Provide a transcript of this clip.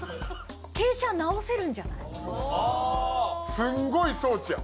すんごい装置やん。